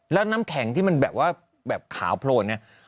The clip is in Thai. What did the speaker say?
และน้ำแข็งที่แบบว่าขาวโพลเนี่ย